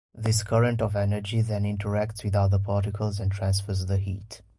This current of energy then interacts with other particles and transfers the heat.